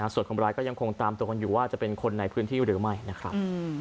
ส่วนคนร้ายก็ยังคงตามตัวกันอยู่ว่าจะเป็นคนในพื้นที่หรือไม่นะครับ